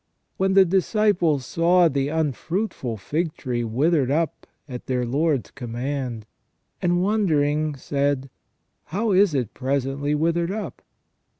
When the disciples saw the unfruitful fig tree withered up at their Lord's command, and wondering said, " How is it presently withered up